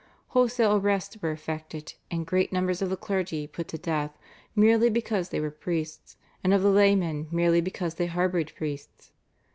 Wholesale arrests were effected, and great numbers of the clergy put to death merely because they were priests, and of the laymen merely because they harboured priests.